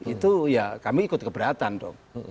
itu ya kami ikut keberatan dong